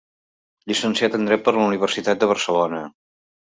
Llicenciat en dret per la Universitat de Barcelona.